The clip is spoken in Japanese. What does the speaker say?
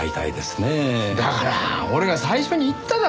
だから俺が最初に言っただろ。